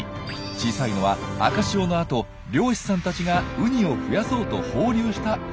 小さいのは赤潮の後漁師さんたちがウニを増やそうと放流した子どもです。